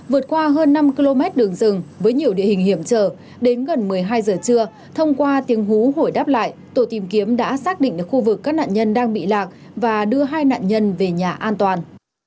vượt qua hơn năm km đường rừng với nhiều địa hình hiểm trở đến gần một mươi hai giờ trưa thông qua tiếng húi đáp lại tổ tìm kiếm đã xác định được khu vực các nạn nhân đang bị lạc và đưa hai nạn nhân về nhà an toàn